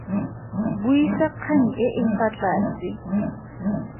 Buisa kgang e e fa tlase.